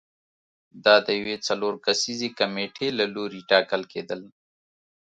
دا د یوې څلور کسیزې کمېټې له لوري ټاکل کېدل